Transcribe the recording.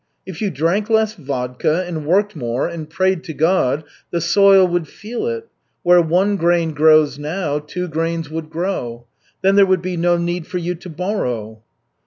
If you drank less vodka, and worked more, and prayed to God, the soil would feel it. Where one grain grows now, two grains would grow. Then there would be no need for you to borrow."